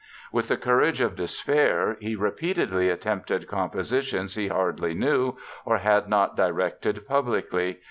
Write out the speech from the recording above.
With the courage of despair he repeatedly attempted compositions he hardly knew or had not directed publicly.